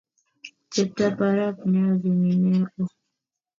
Cheptap arap Nyongi ni ne oo.